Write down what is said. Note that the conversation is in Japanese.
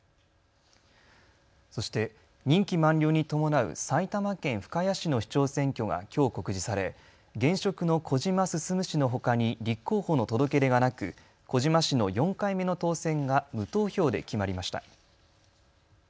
そして任期満了に伴う埼玉県深谷市の市長選挙がきょう告示され現職の小島進氏のほかに立候補の届け出がなく、小島氏の４回目の当選が無投票で決まりました。